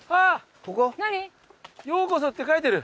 「ようこそ」って書いてる。